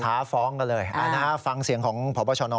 ท้าฟ้องกันเลยฟังเสียงของพบชน